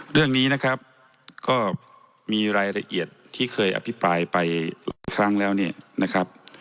เรื่องนี้นะครับก็มีรายละเอียดที่เคยอภิปรายไปหลายครั้งแล้วเนี่ยนะครับ